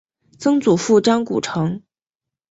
曾祖父张谷成。